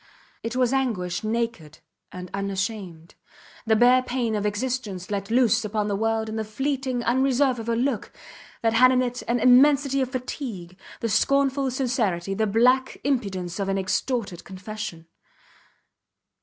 It was anguish naked and unashamed, the bare pain of existence let loose upon the world in the fleeting unreserve of a look that had in it an immensity of fatigue, the scornful sincerity, the black impudence of an extorted confession.